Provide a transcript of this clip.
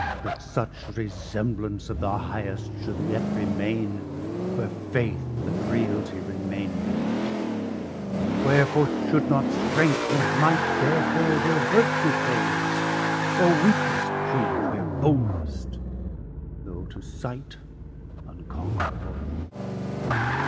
that such resemblance of the Highest Should yet remain, where faith and realtie Remain not; wherfore should not strength & might There fail where Vertue fails, or weakest prove Where boldest; though to sight unconquerable?